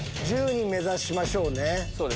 １０人目指しましょうね。